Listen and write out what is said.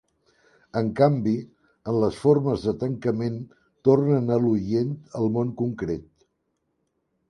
En canvi, en les formes de tancament tornen a l'oient al món concret.